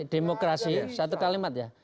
demokrasi satu kalimat ya